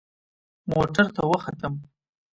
موټر ته وختم.